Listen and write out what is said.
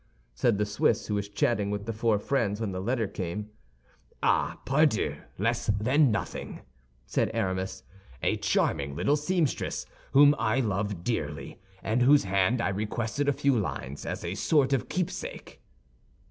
said the Swiss, who was chatting with the four friends when the letter came. "Oh, pardieu, less than nothing," said Aramis; "a charming little seamstress, whom I love dearly and from whose hand I requested a few lines as a sort of keepsake."